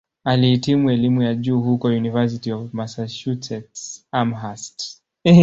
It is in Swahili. Alihitimu elimu ya juu huko "University of Massachusetts-Amherst".